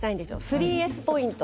３Ｓポイント。